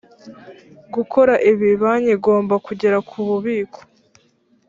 gukora ibi banki igomba kugera ku bubiko